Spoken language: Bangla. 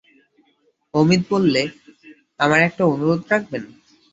অমিত বললে, আমার একটা অনুরোধ রাখবেন?